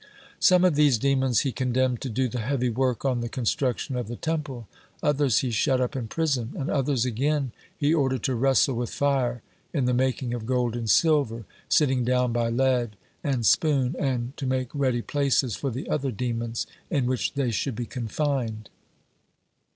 Some of these demons he condemned to do the heavy work on the construction of the Temple, others he shut up in prison, and others, again, he ordered to wrestle with fire in the making of gold and silver, sitting down by lead and spoon, and to make ready places for the other demons, in which they should be confined.